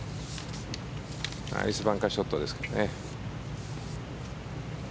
ナイスバンカーショットですね。